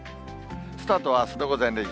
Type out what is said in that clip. スタートはあすの午前０時。